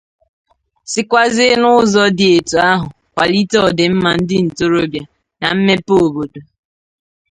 sikwazie n'ụzọ dị etu ahụ kwàlite ọdịmma ndị ntorobịa na mmepe obodo.